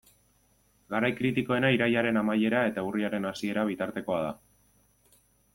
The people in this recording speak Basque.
Garai kritikoena irailaren amaiera eta urriaren hasiera bitartekoa da.